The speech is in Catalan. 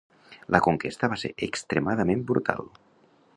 La conquesta va ser extremadament brutal.